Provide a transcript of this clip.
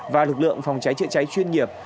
và lực lượng phòng cháy chữa cháy chuyên nghiệp